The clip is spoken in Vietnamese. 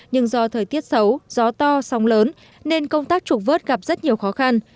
nhưng do thời tiết xấu gió to sóng lớn nên công tác trục vớt gặp rất nhiều khó khăn